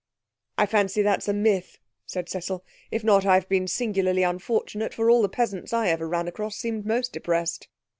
'I fancy that's a myth,' said Cecil. 'If not, I've been singularly unfortunate, for all the peasants I ever ran across seemed most depressed.'